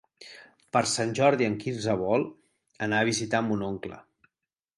Per Sant Jordi en Quirze vol anar a visitar mon oncle.